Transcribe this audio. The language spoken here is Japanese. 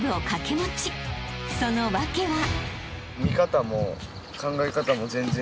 ［その訳は］